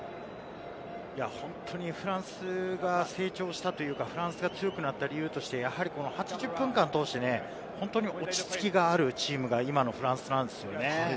本当にフランスが成長したというか、フランスが強くなった理由として、８０分間通して本当に落ち着きがあるチームが今のフランスなんですよね。